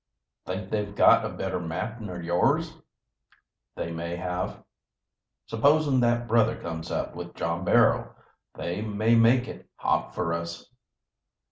"Think they've got a better map nor yours?" "They may have." "Supposing that brother comes up, with John Barrow? They may make it hot for us."